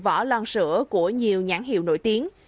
một trăm năm mươi vỏ lon sữa của nhiều nhãn hiệu nổi tiếng